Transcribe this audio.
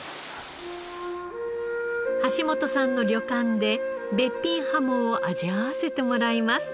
橋本さんの旅館でべっぴんハモを味わわせてもらいます。